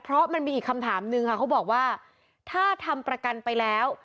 เพราะมันมีอีกคำถามนึงค่ะเขาบอกว่าถ้าทำประกันไปแล้ว